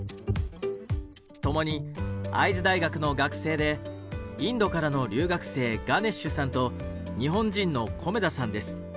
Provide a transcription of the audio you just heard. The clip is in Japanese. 共に会津大学の学生でインドからの留学生ガネッシュさんと日本人の米田さんです。